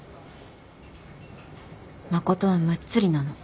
誠はむっつりなの。